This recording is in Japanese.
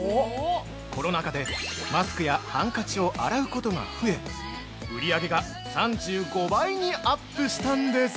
コロナ禍で、マスクやハンカチを洗うことが増え売り上げが３５倍にアップしたんです！